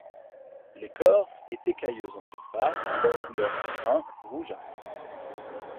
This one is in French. L’écorce est écailleuse en surface, de couleur brun rougeâtre.